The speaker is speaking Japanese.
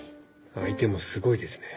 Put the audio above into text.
相手もすごいですね。